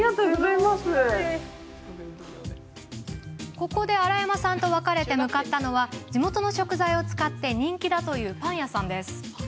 ここで荒山さんと別れて向かったのは地元の食材を使って人気だというパン屋さん。